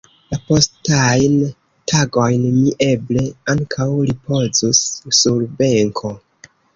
La postajn tagojn mi eble ankaŭ ripozus sur benko.